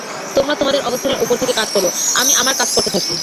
তোমরা তোমাদের অবস্থানের উপর থেকে কাজ কর, আমি আমার কাজ করতে থাকি।